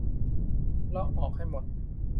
เลาะออกให้หมด